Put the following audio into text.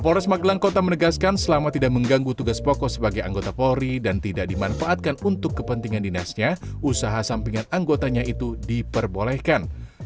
polres magelang kota menegaskan selama tidak mengganggu tugas pokok sebagai anggota polri dan tidak dimanfaatkan untuk kepentingan dinasnya usaha sampingan anggotanya itu diperbolehkan